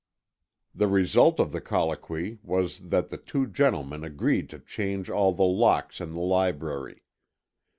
The result of the colloquy was that the two gentlemen agreed to change all the locks in the library.